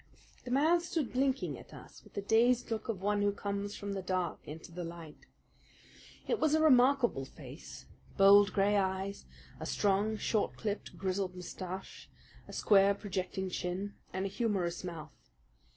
The man stood blinking at us with the dazed look of one who comes from the dark into the light. It was a remarkable face, bold gray eyes, a strong, short clipped, grizzled moustache, a square, projecting chin, and a humorous mouth.